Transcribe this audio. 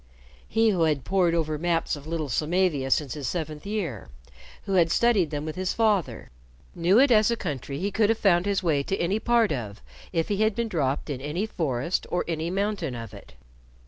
He who had pored over maps of little Samavia since his seventh year, who had studied them with his father, knew it as a country he could have found his way to any part of if he had been dropped in any forest or any mountain of it.